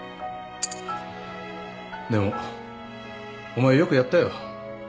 でもお前よくやったよ。